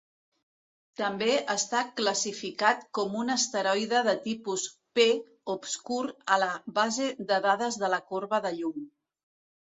També està classificat com un asteroide de tipus P obscur a la "Base de dades de la corba de llum".